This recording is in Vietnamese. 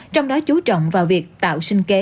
trong đó chú trọng vào việc tạo sinh kế